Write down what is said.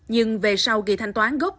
nhưng về sau kỳ thanh toán gốc